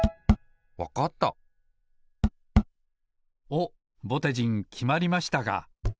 おっぼてじんきまりましたか。